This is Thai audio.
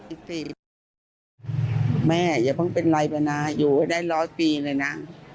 แม่อย่าเพิ่งเป็นไรไปนะอยู่ให้ได้ร้อยปีเลยนะ